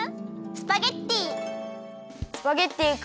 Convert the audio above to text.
スパゲッティか。